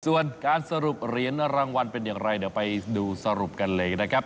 ส่วนการสรุปเหรียญรางวัลเป็นอย่างไรเดี๋ยวไปดูสรุปกันเลยนะครับ